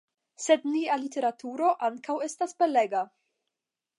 Sed nia literaturo ankaŭ estas belega!